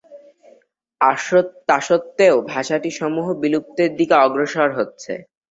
তাস্বত্ত্বেও ভাষাটি সমূহ বিলুপ্তির দিকে অগ্রসর হচ্ছে।